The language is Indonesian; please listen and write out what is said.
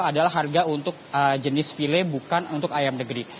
adalah harga untuk jenis file bukan untuk ayam negeri